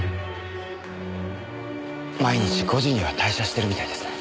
毎日５時には退社してるみたいですね。